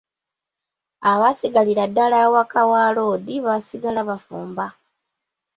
Abaasigalira ddala awaka wa loodi baasigala bafumba.